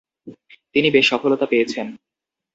তিনি বেশ সফলতা পেয়েছেন।